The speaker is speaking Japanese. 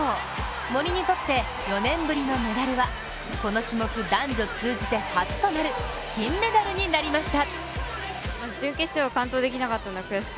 森にとって４年ぶりのメダルは、この種目男女通じて初となる金メダルになりました。